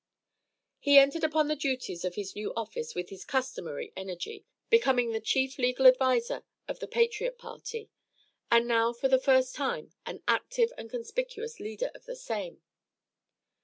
He entered upon the duties of his new office with his customary energy, becoming the chief legal advisor of the Patriot party, and now for the first time an active and conspicuous leader of the same.